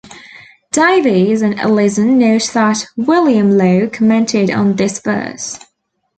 Davies and Allison note that William Law commented on this verse.